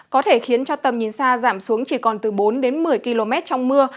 có thể khiến cho tầm nhìn xa giảm xuống chỉ còn từ bốn đến một mươi km trong mưa